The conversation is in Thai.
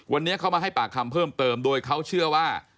วันนี้เขามาให้ปากคำเพิ่มเติมโดยเขาเชื่อว่า